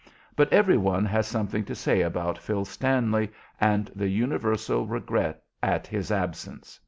But every one has something to say about Phil Stanley and the universal regret at his absence.